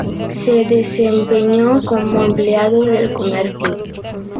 Se desempeñó como empleado del comercio.